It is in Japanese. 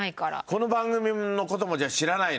この番組の事もじゃあ知らないの？